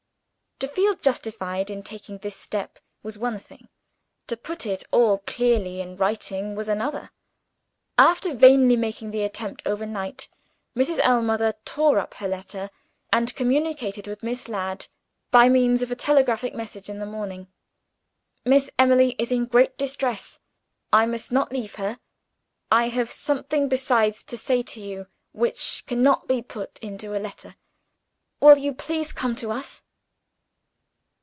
To feel justified in taking this step was one thing: to put it all clearly in writing was another. After vainly making the attempt overnight, Mrs. Ellmother tore up her letter, and communicated with Miss Ladd by means of a telegraphic message, in the morning. "Miss Emily is in great distress. I must not leave her. I have something besides to say to you which cannot be put into a letter. Will you please come to us?"